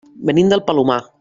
Venim del Palomar.